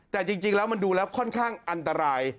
แต่จริงแล้วมันดูแล้วค่อนข้างอันตราย